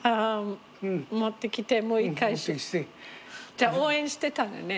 じゃあ応援してたんだね。